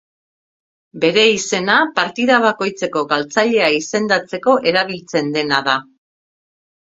Bere izena partida bakoitzeko galtzailea izendatzeko erabiltzen dena da.